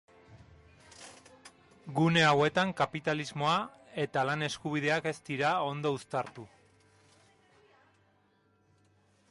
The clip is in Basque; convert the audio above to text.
Gune hauetan, kapitalismoa eta lan eskubideak ez dira ondo uztartu.